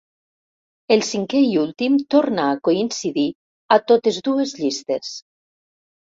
El cinquè i últim torna a coincidir a totes dues llistes.